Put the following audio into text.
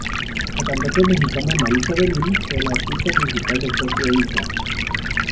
La cantante mexicana Marisa de Lille fue la artista principal del Tokyo Impact!